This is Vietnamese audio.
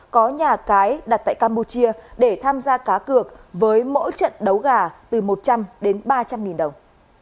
có nhà cái đặt tại campuchia để tham gia cá cược với mỗi trận đấu gà từ một trăm linh đến ba trăm linh nghìn đồng